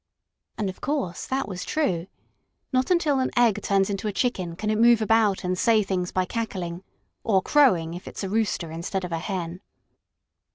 And of course that was true. Not until an egg turns into a chicken can it move about and say things by cackling or crowing, if it's a rooster instead of a hen.